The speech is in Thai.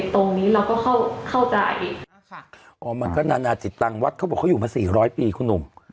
ตรงนี้เราก็เข้าเข้าใจอ๋อมันก็นานาจิตตังค์วัดเขาบอกเขาอยู่มาสี่ร้อยปีคุณหนุ่มอืม